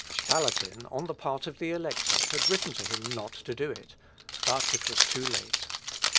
Spalatin, on the part of the Elector, had written him not to do it; but it was too late.